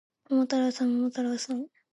桃太郎さん、桃太郎さん